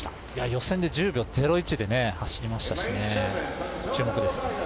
予選で１０秒０１で走りましたしね、注目です。